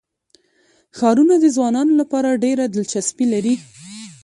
ښارونه د ځوانانو لپاره ډېره دلچسپي لري.